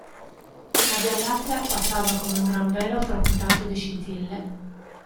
La via lattea passava come un gran velo trapuntato di scintille.